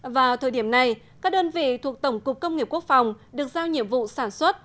vào thời điểm này các đơn vị thuộc tổng cục công nghiệp quốc phòng được giao nhiệm vụ sản xuất